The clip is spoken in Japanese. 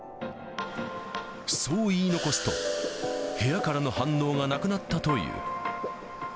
そう言い残すと、部屋からの反応がなくなったという。